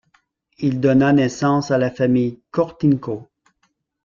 Il donna naissance à la famille Cortinco.